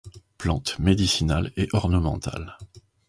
Plante médicinale et ornementale.